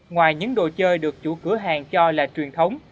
ngoài những đồ chơi được chủ cửa hàng cho là truyền thống